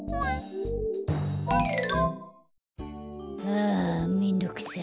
あめんどくさい。